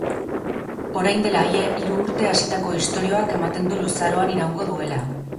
Orain dela ia hiru urte hasitako istorioak ematen du luzaroan iraungo duela.